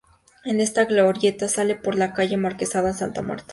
En esta glorieta sale por la calle Marquesado de Santa Marta.